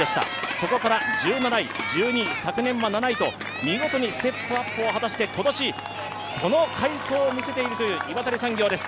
そこから１７位、１２位、昨年は７位と見事にステップアップを果たして、今年、この快走を見せているという岩谷産業です。